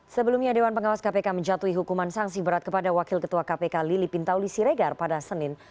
sebelumnya dewan pengawas kpk menjatuhi hukuman sanksi berat kepada wakil ketua kpk lili pintauli siregar pada senin